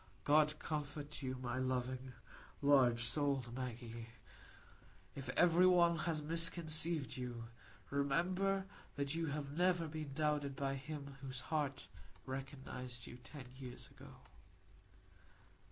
"God comfort you, my loving, large souled Maggie. If every one else has misconceived you, remember that you have never been doubted by him whose heart recognised you ten years ago.